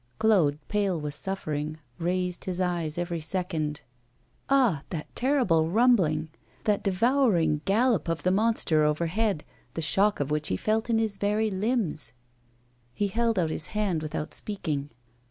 Claude, pale with suffering, raised his eyes every second. Ah! that terrible rumbling, that devouring gallop of the monster overhead, the shock of which he felt in his very limbs! He held out his hand without speaking.